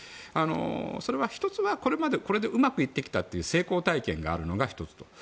それは１つはこれまでうまくいってきたという成功体験があるのが１つと。